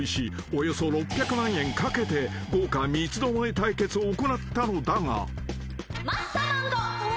およそ６００万円かけて豪華三つどもえ対決を行ったのだが］